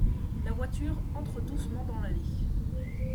La voiture entre doucement dans l'allée.